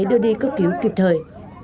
đưa đi cấp cứu kịp thời